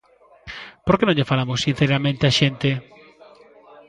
¿Por que non lle falamos sinceramente á xente?